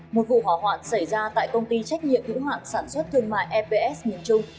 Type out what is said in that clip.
một vụ hỏa hoạn xảy ra tại công ty trách nhiệm hữu hoạn sản xuất thương mại eps miền trung